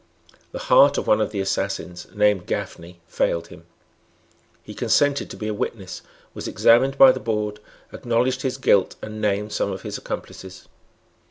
The heart of one of the assassins, named Gafney, failed him. He consented to be a witness, was examined by the Board, acknowledged his guilt, and named some of his accomplices.